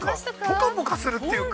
◆ぽかぽかするというか。